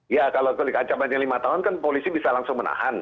ya kalau delik acaman yang lima tahun kan polisi bisa langsung menahan